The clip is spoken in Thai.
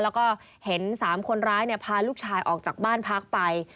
แล้วก็เห็น๓คนร้ายพาลูกชายออกจากบ้านพักไป